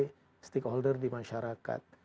dan berbagai stikholder di masyarakat